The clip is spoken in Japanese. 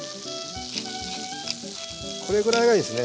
これぐらいがいいですね